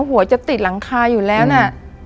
หัวจะติดหลังคาอยู่แล้วนะ